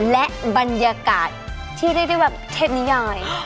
และบรรยากาศที่เรียกได้ว่าเทพนิยาย